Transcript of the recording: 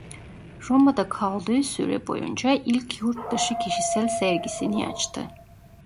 Roma'da kaldığı süre boyunca ilk yurtdışı kişisel sergisini açtı.